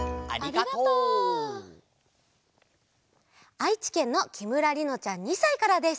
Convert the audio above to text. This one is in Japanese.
あいちけんのきむらりのちゃん２さいからです。